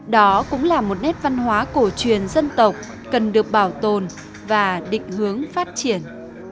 đó cũng là một nét văn hóa cổ truyền dân tộc cần được bảo tồn và định hướng phát triển